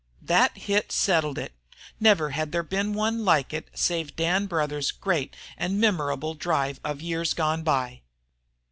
That hit settled it. Never had there been one like it save Dan Brouthers' great and memorable drive of years gone by.